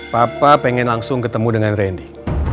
papa pengen langsung ketemu dengan randy